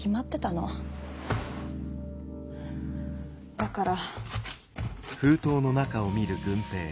だから。